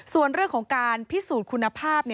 ส่วนเรื่องของการพิสูจน์คุณภาพ